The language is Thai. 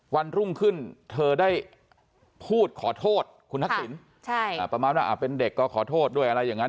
วันรุ่งขึ้นเธอได้พูดขอโทษคุณทักษิณประมาณว่าเป็นเด็กก็ขอโทษด้วยอะไรอย่างนั้น